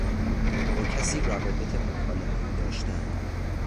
با کسی روابط مکالمهای داشتن